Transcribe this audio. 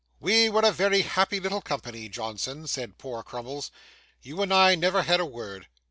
'We were a very happy little company, Johnson,' said poor Crummles. 'You and I never had a word.